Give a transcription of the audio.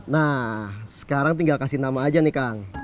nah sekarang tinggal kasih nama aja nih kang